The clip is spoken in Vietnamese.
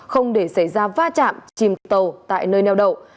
không để xảy ra va chạm chìm tàu tại nơi neo đậu